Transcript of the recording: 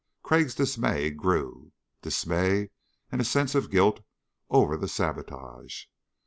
Crag's dismay grew dismay and a sense of guilt over the sabotage.